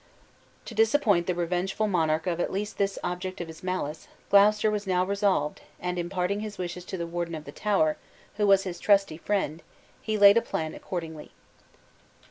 To disappoint the revengeful monarch of at least this object of his malice, Gloucester was now resolved, and imparting his wishes to the warden of the Tower, who was his trusty friend, he laid a plan accordingly.